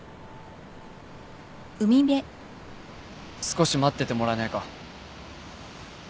少し待っててもらえないか？